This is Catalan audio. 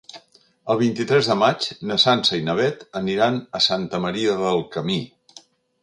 El vint-i-tres de maig na Sança i na Beth aniran a Santa Maria del Camí.